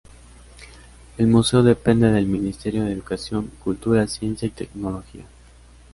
El museo depende del Ministerio de Educación, Cultura, Ciencia y Tecnología.